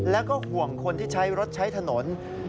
แล้วก็ห่วงคนที่ใช้รถใช้ถนน